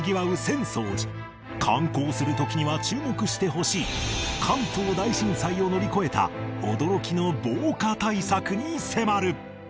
観光する時には注目してほしい関東大震災を乗り越えた驚きの防火対策に迫る！